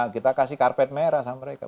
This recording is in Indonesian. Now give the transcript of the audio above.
kita kasih karpet merah sama mereka